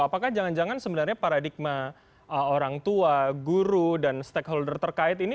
apakah jangan jangan sebenarnya paradigma orang tua guru dan stakeholder terkait ini